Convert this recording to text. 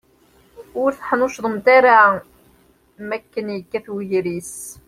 Ur teḥnuccḍem ara makken yekkat ugris.